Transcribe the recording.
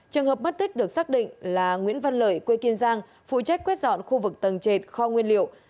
trường hợp mất tích được xác định là nguyễn văn lợi quê kiên giang phụ trách quét dọn khu vực tầng trệt kho nguyên liệu